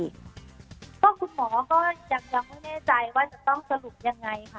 ก็คุณหมอก็ยังไม่แน่ใจว่าจะต้องสรุปยังไงค่ะ